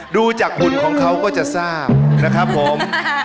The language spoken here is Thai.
ดูจากหุ่นของเขาก็จะทราบนะครับผม